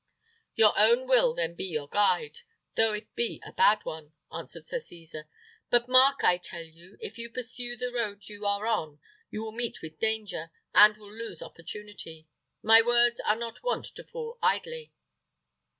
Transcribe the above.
"Your own will then be your guide, though it be a bad one," answered Sir Cesar. "But mark, I tell you, if you pursue the road you are on you will meet with danger, and will lose opportunity. My words are not wont to fall idly."